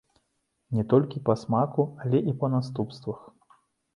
І не толькі па смаку, але і па наступствах.